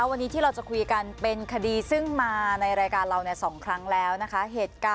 วันนี้ที่เราจะคุยกันเป็นคดีซึ่งมาในรายการเรา๒ครั้งแล้วนะคะ